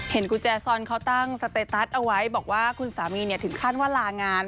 กุญแจซอนเขาตั้งสเตตัสเอาไว้บอกว่าคุณสามีถึงขั้นว่าลางาน